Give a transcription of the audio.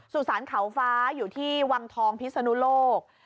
สุสานเขาฟ้าอยู่ที่วังทองพิศนุโลก